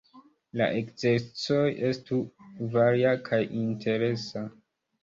La ekzercoj estu varia kaj interesa.